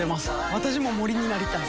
私も森になりたい。